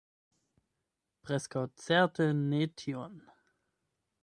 Preskaŭ certe ne tion.